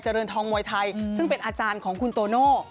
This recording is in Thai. เรือนทองมวยไทยซึ่งเป็นอาจารย์ของคุณโตโน่